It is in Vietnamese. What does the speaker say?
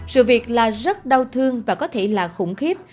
sự việc là rất đau thương và có thể là khủng khiếp